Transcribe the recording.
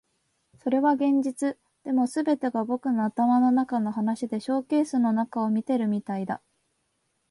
それは現実。でも、全てが僕の頭の中の話でショーケースの中を見ているみたいだ。